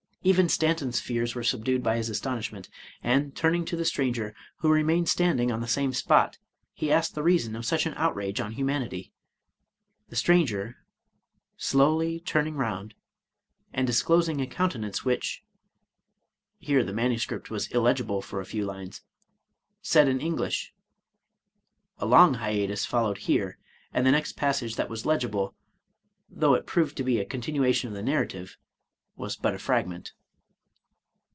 Even Stanton's fears were subdued by his astonishment, and, turning to the stranger, who remained standing on the same spot, he asked the reason of such an outrage on humanity. The stranger, slowly turning round, and disclosing a countenance which (Here the manuscript was illegible for a few lines), said in English (A long hiatus followed here, and the next passage that was legible, though it proved to be a continuation of the narrative, was but a fragment.)